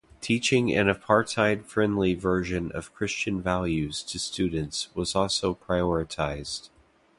Teaching an apartheid-friendly version of Christian values to students was also prioritized.